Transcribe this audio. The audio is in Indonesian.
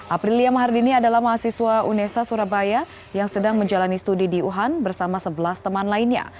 aprilia mahardini adalah mahasiswa unesa surabaya yang sedang menjalani studi di wuhan bersama sebelas teman lainnya